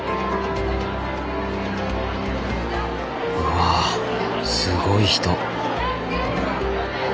うわすごい人。